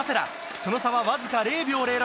その差はわずか０秒０６！